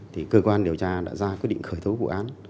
thì cơ quan điều tra đã ra quyết định khởi tố vụ án